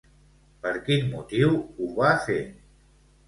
Per quin motiu ho va fer?